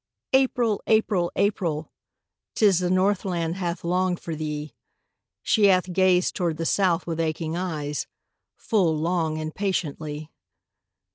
April! April! April! 'Tis the Northland hath longed for thee, She hath gazed toward the South with aching eyes Full long and patiently.